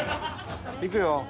いくよ。